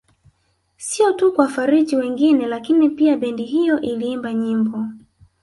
Sio tu kuwafariji wengine lakini pia bendi hiyo iliimba nyimbo